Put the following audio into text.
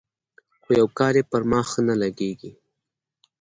خو يو کار يې پر ما ښه نه لګېږي.